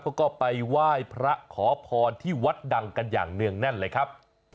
เขาก็ไปไหว้พระขอพรที่วัดดังกันอย่างเนื่องแน่นเลยครับ